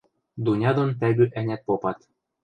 Дуня дон тӓгӱ-ӓнят попат.